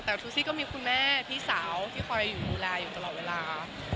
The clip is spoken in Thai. แต่ทูซี่ก็มีคุณแม่พี่สาวที่คอยอยู่ดูแลอยู่ตลอดเวลา